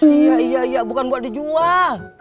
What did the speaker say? iya iya bukan buat dijual